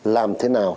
làm thế nào